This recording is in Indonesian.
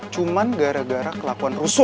cuma gara gara kelakuan rusuh